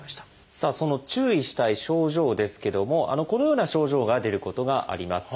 その注意したい症状ですけどもこのような症状が出ることがあります。